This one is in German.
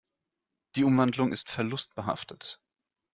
Die Umwandlung ist verlustbehaftet.